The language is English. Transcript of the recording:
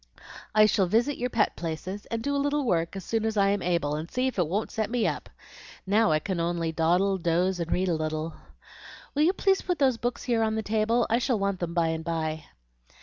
"I shall visit your pet places and do a little work as soon as I am able, and see if it won't set me up. Now I can only dawdle, doze, and read a little. Will you please put those books here on the table? I shall want them by and by."